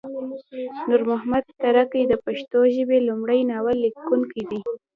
نورمحمد تره کی د پښتو ژبې لمړی ناول لیکونکی دی